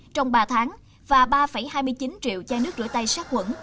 trong ba tháng và ba hai mươi chín triệu chai nước rửa tay sát quẩn